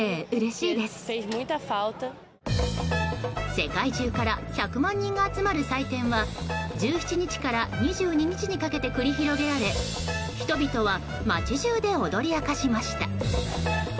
世界中から１００万人が集まる祭典は１７日から２２日にかけて繰り広げられ人々は街中で踊りあかしました。